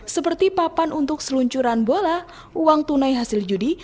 seperti papan untuk seluncuran bola uang tunai hasil judi